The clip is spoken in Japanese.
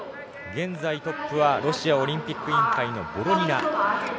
現在トップはロシアオリンピック委員会のボロニナ。